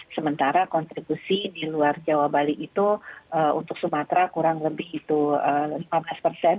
sementara kontribusi di luar jawa bali itu untuk sumatera kurang lebih itu lima belas persen